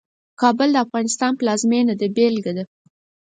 کابل د افغانستان پلازمېنه ده بېلګه ده.